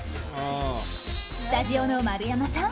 スタジオの丸山さん